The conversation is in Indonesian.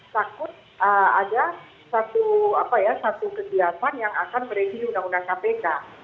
takut ada satu kegiatan yang akan merevisi undang undang kpk